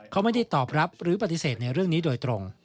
เขาไม่ได้ตอบรับหรือปฏิเสธในเรื่องนี้โดยตรง